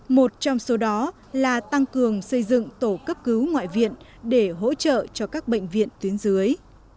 một trong số đó là tăng cường xây dựng tổ cấp cứu ngoại viện để hỗ trợ cho các bệnh viện tuyến dưới